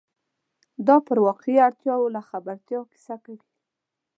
دا پر واقعي اړتیاوو له خبرتیا کیسه کوي.